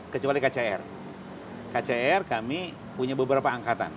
kecuali kcr kcr kami punya beberapa angkatan